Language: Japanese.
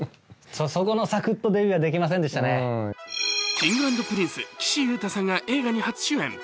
Ｋｉｎｇ＆Ｐｒｉｎｃｅ・岸優太さんが映画に初主演。